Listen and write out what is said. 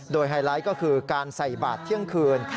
โดยไฮไลท์ก็คือการใส่บาทเที่ยงคืน